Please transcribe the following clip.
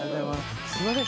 すいません